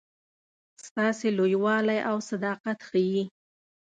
ستاسي لوی والی او صداقت ښيي.